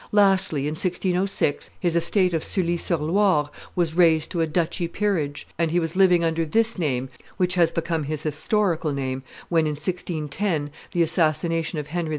Lastly, in 1606, his estate of Sully sur Loire was raised to a duchy peerage, and he was living under this name, which has become his historical name, when, in 1610, the assassination of Henry IV.